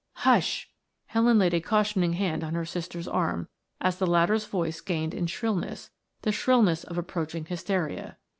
"Hush!" Helen laid a cautioning hand on her sister's arm as the latter's voice gained in shrillness, the shrillness of approaching hysteria.